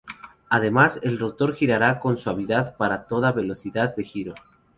Además, el rotor girará con suavidad para toda velocidad de giro.